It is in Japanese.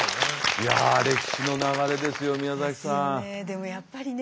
いや歴史の流れですよ宮崎さん。ですよね。